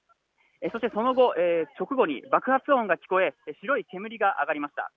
その直後に爆発音が聞こえ白い煙が上がりました。